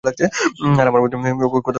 আর আমার কথা মন দিয়ে শুনেন।